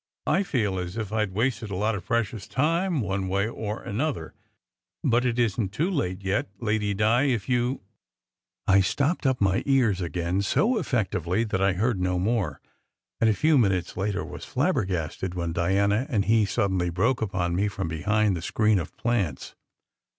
I feel as if I d wasted a lot of precious time one way or another, but it isn t too late yet, Lady Di, if you " I stopped up my ears again so effectively that I heard no more, and a few minutes later was flabbergasted when Diana and he suddenly broke upon me from behind the screen of plants.